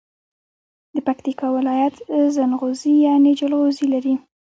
د پکیتکا ولایت زنغوزي یعنی جلغوزي لري.